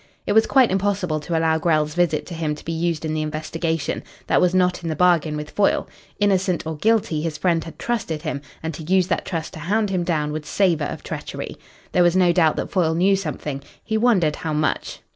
It was quite impossible to allow Grell's visit to him to be used in the investigation. That was not in the bargain with Foyle. Innocent or guilty, his friend had trusted him, and to use that trust to hound him down would savour of treachery. There was no doubt that Foyle knew something. He wondered how much.